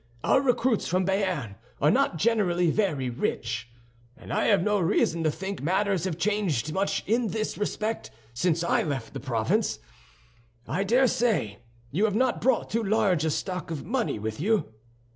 Our recruits from Béarn are not generally very rich, and I have no reason to think matters have much changed in this respect since I left the province. I dare say you have not brought too large a stock of money with you?"